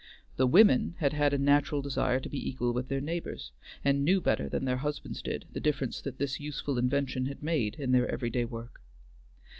"The women" had had a natural desire to be equal with their neighbors, and knew better than their husbands did the difference this useful invention had made in their every day work.